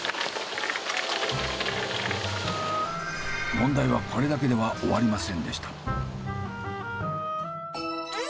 問題はこれだけでは終わりませんでした。